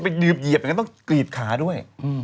ไปเหยียบยังงั้นต้องกรีดขาด้วย